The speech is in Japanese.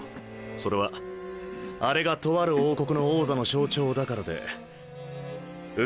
それはあれがとある王国の王座の象徴だからで内